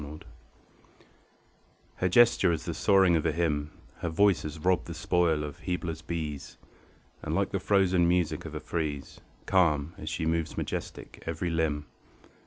PHÈDRE Her gesture is the soaring of a hymn, Her voice has robbed the spoil of Hybla's bees; And like the frozen music of a frieze, Calm, as she moves majestic, every limb.